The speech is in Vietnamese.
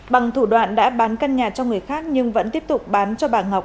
bằng thủ đoạn đã bán căn nhà cho người khác nhưng vẫn tiếp tục bán cho bà ngọc